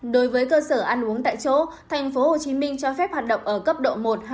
đối với cơ sở ăn uống tại chỗ tp hcm cho phép hoạt động ở cấp độ một hai